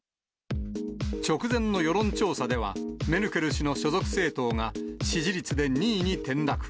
直前の世論調査では、メルケル氏の所属政党が支持率で２位に転落。